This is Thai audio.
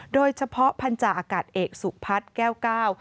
โดยเฉพาะพันธาอากาศเอกสุพัฒน์แก้วเก้า